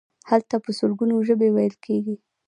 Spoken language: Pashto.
هلته په سلګونو ژبې ویل کیږي.